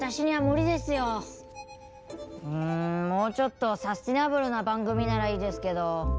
うんもうちょっとサスティナブルな番組ならいいですけど。